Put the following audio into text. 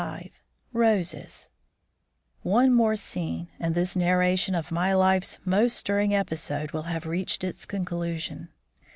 XXXV ROSES One more scene, and this narration of my life's most stirring episode will have reached its conclusion.